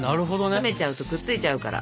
冷めちゃうとくっついちゃうから。